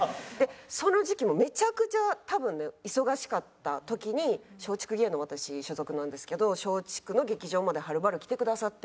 その時期もめちゃくちゃ多分ね忙しかった時に松竹芸能私所属なんですけど松竹の劇場まではるばる来てくださって。